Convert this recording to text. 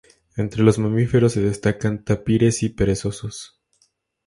Entre los mamíferos se destacan tapires y perezosos.